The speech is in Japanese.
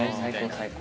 最高。